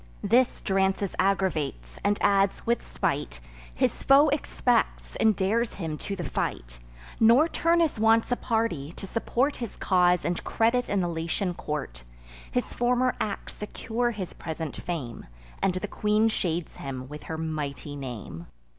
This Drances aggravates; and adds, with spite: "His foe expects, and dares him to the fight." Nor Turnus wants a party, to support His cause and credit in the Latian court. His former acts secure his present fame, And the queen shades him with her mighty name.